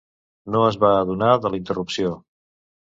No es va adonar de la interrupció.